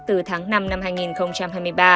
từ tháng năm năm hai nghìn hai mươi ba